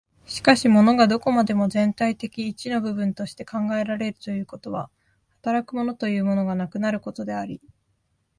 しかし物がどこまでも全体的一の部分として考えられるということは、働く物というものがなくなることであり、